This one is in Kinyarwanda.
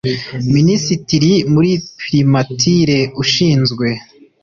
Minisitiri muri Primature ushinzwe